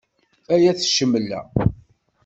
Ay at ccemla.